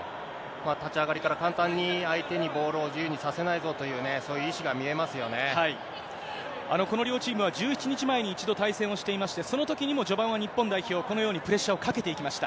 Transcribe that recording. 立ち上がりから簡単に相手にボールを自由にさせないぞというね、この両チームは、１１日前に一度対戦をしていまして、そのときにも序盤は日本代表、このようにプレッシャーをかけていきました。